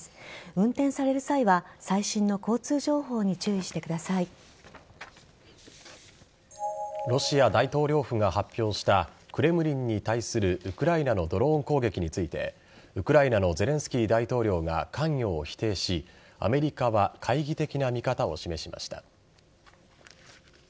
運転される際は最新の交通情報にロシア大統領府が発表したクレムリンに対するウクライナのドローン攻撃についてウクライナのゼレンスキー大統領が関与を否定し、アメリカは懐疑的な見方を示しました。